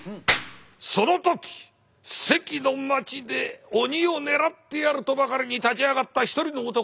その時関の町で鬼を狙ってやるとばかりに立ち上がった一人の男。